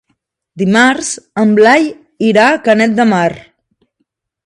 Dimarts en Blai irà a Canet de Mar.